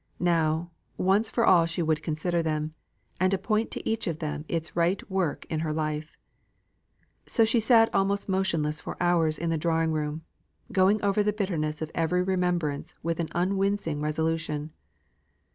Now, once for all she would consider them and appoint to each of them its right work in her life. So she sat almost motionless for hours in the drawing room, going over the bitterness of every remembrance with an unwincing resolution.